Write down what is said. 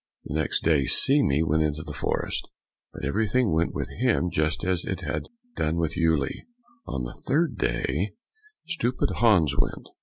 The next day Seame went into the forest, but everything went with him just as it had done with Uele. On the third day Stupid Hans went.